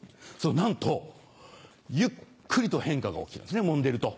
なんとゆっくりと変化が起きますねもんでると。